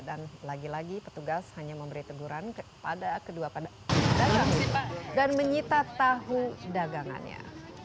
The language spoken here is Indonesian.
dan lagi lagi petugas hanya memberi teguran pada kedua pedagang dan menyita tahu dagangannya